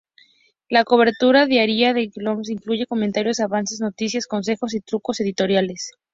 La cobertura diaria de GameZone incluye comentarios, avances, noticias, consejos y trucos, y editoriales.